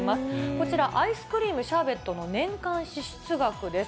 こちら、アイスクリーム、シャーベットの年間支出額です。